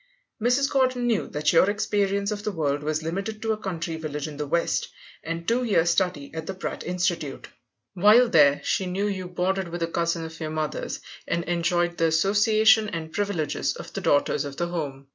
Mrs. Gordon knew that your experience of the world was limited to a country village in the West, and two years' study at the Pratt Institute. While there she knew you boarded with a cousin of your mother's, and enjoyed the association and privileges of the daughters of the home.